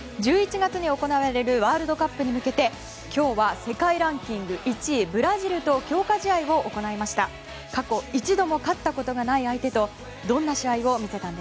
１１月に行われるワールドカップに向けて今日は世界ランキング１位ブラジルと強化試合を行いました。